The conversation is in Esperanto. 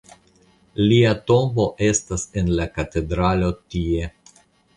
Lia tombo estas en la katedralo tie.